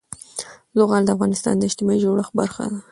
زغال د افغانستان د اجتماعي جوړښت برخه ده.